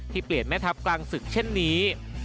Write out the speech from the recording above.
เปลี่ยนแม่ทัพกลางศึกเช่นนี้